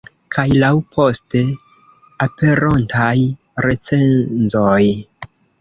Kaj laŭ poste aperontaj recenzoj.